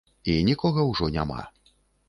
І нікога ўжо няма.